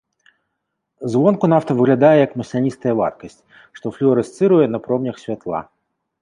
Звонку нафта выглядае як масляністая вадкасць, што флюарэсцыруе на промнях святла.